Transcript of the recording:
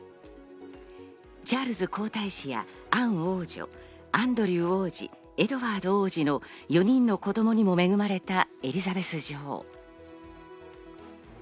チャールズ皇太子やアン王女、アンドリュー王子、エドワード王子の４人の子供にも恵まれたエリザベス女王。